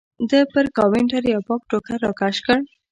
ده پر کاونټر یو پاک ټوکر راکش کړ.